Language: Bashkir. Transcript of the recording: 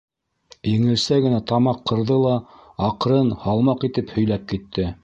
Еңелсә генә тамаҡ ҡырҙы ла аҡрын, һалмаҡ итеп һөйләп китте.